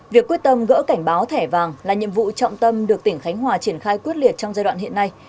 việc quyết tâm gỡ cảnh báo thẻ vàng là nhiệm vụ trọng tâm được tỉnh khánh hòa triển khai quyết liệt trong giai đoạn hiện nay